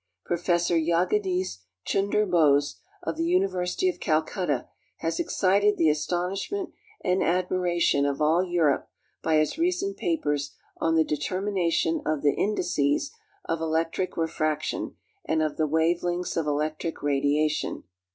Prof. Jagadis Chunder Bose, of the University of Calcutta, has excited the aston ishment and admiration of all Europe by his recent papers on the Deter mination of the Indices of Electric Refraction and of the Wave lengths of Electric Radiation.